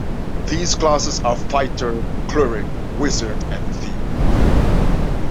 These classes are fighter, cleric, wizard and thief.